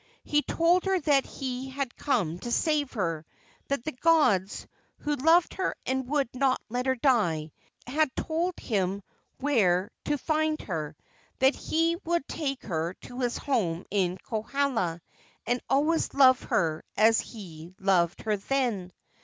He told her that he had come to save her; that the gods, who loved her and would not let her die, had told him where to find her; that he would take her to his home in Kohala, and always love her as he loved her then.